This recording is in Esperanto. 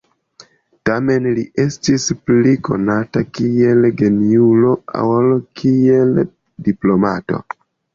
Tamen li estis pli konata kiel geniulo ol kiel diplomato.